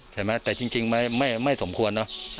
แต่จริงไม่สมควร